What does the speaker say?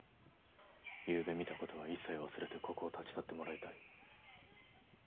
昨夜見たことは一切忘れてここを立ち去ってもらいたい。